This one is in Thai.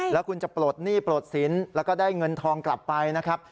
แล้วคุณจะปลดหนี้ปลดสินแล้วก็ได้เงินทองกลับไปนะครับ